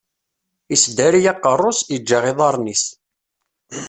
Isdari aqeṛṛu-s, iǧǧa iḍaṛṛen-is.